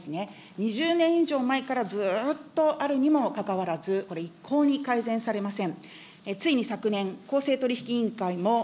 まあ、総理、このような指摘は２０年以上前から、ずーっとあるにもかかわらず、これ、一向に改善されません。